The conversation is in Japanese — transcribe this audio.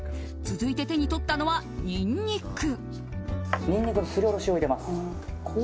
続いて手に取ったのはニンニク。